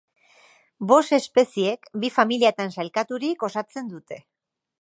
Bost espeziek, bi familiatan sailkaturik, osatzen dute.